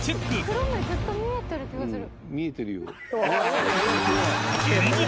黒目ずっと見えてる気がする。